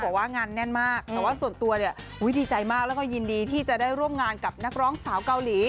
บอกว่างานแน่นมากแต่ว่าส่วนตัวเนี่ยดีใจมากแล้วก็ยินดีที่จะได้ร่วมงานกับนักร้องสาวเกาหลี